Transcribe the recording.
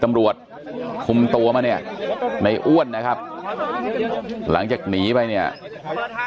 ตำรวจคุมตัวมาเนี่ยในอ้วนนะครับหลังจากหนีไปเนี่ย